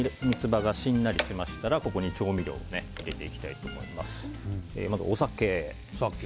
三つ葉がしんなりしましたらここに調味料を入れていきたいと思います。